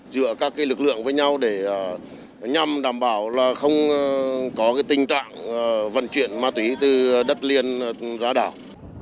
giữa các lực lượng với nhau để nhằm đảm bảo là không có tình trạng vận chuyển ma túy từ đất liền ra đảo